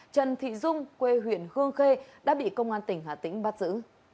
trần thị dung quê huyện hương khê đã bị công an tỉnh hà tĩnh bắt giữ